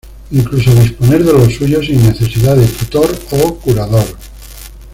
Incluso disponer de lo suyo sin necesidad de tutor o curador.